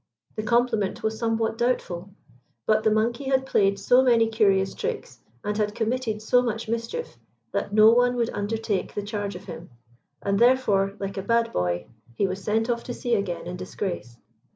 The compliment was somewhat doubtful. But the monkey had played so many curious tricks, and had committed so much mischief, that no one would undertake the charge of him; and therefore, like a bad boy, he was sent off to sea again in disgrace.